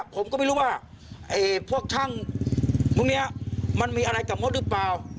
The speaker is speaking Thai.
ผมก็ไม่รู้ว่าพวกช่างพวกนี้มันมีอะไรกับมดหรือเปล่า